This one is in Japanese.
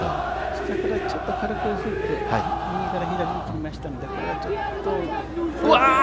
下からちょっと軽くフック、右から左に切りましたのでうわー！